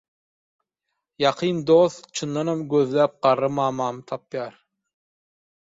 Ýakyn dost çyndanam gözläp garry mamamy tapýar